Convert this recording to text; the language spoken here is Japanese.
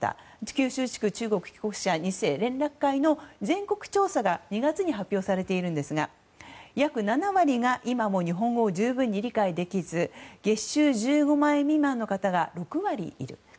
九州地区中国帰国者２世連絡会の全国調査が２月に発表されているんですが約７割が今も日本語を十分に理解できず月収１５万円未満の方が６割いる。